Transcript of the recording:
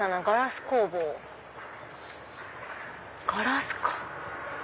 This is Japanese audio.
ガラスか。